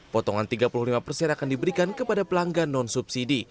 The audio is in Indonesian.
potongan tiga puluh lima persen akan diberikan kepada pelanggan non subsidi